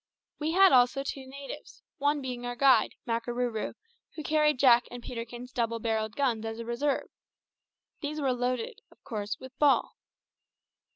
We had also two natives one being our guide, Makarooroo, who carried Jack and Peterkin's double barrelled guns as a reserve. These were loaded, of course, with ball.